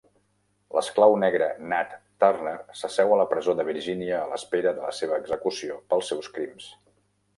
L'esclau negre Nat Turner s'asseu a la presó de Virgínia a l'espera de la seva execució pels seus crims.